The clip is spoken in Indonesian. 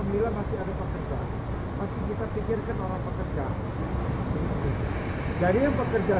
bila masih ada pekerja masih kita pikirkan orang pekerja